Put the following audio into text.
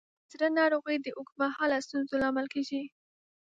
د زړه ناروغۍ د اوږد مهاله ستونزو لامل کېږي.